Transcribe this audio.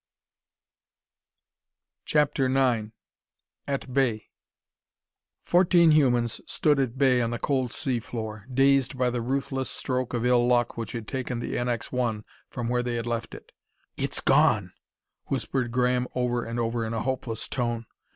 CHAPTER IX At Bay Fourteen humans stood at bay on the cold sea floor, dazed by the ruthless stroke of ill luck which had taken the NX 1 from where they had left it. "It's gone," whispered Graham over and over in a hopeless tone.